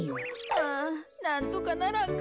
ああなんとかならんかな。